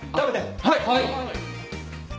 はい！